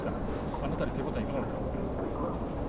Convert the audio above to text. あの辺りの手応えいかがだったですか？